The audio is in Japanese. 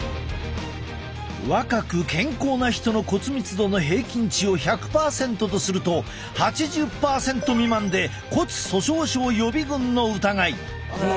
若く健康な人の骨密度の平均値を１００％とすると８０％未満で骨粗しょう症予備軍の疑い。